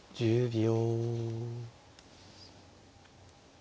１０秒。